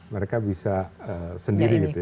mereka bisa sendiri gitu ya